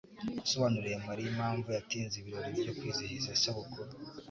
Yasobanuriye Mariya impamvu yatinze ibirori byo kwizihiza isabukuru.